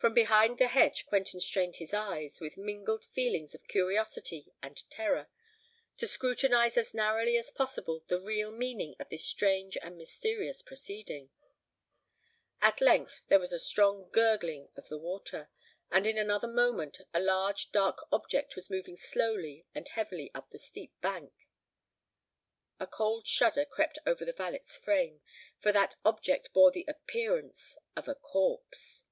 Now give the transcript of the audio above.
From behind the hedge Quentin strained his eyes, with mingled feelings of curiosity and terror, to scrutinise as narrowly as possible the real meaning of this strange and mysterious proceeding. At length there was a strong gurgling of the water; and in another moment a large dark object was moving slowly and heavily up the steep bank. A cold shudder crept over the valet's frame; for that object bore the appearance of a corpse!